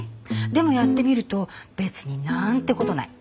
でもやってみると別に何てことない。